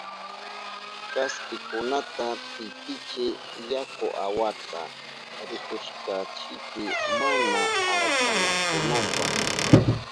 Kaspikunata pitichiy yaku awata rihushkanchipi mana arkanankunapa.